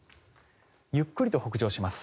ゆっくりと北上します。